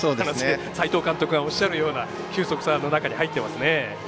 斎藤監督がおっしゃるような球速差になっていますね。